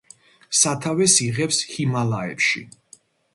სათავეს იღებს ჰიმალაებში.